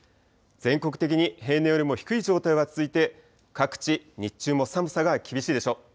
全国的に平年よりも低い状態が続いて、各地、日中も寒さが厳しいでしょう。